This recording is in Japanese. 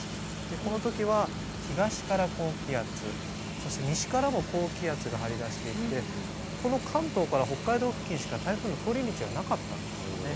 この時は東から高気圧そして西からも高気圧が張り出していてこの関東から北海道付近しか台風の通り道がなかったんですよね。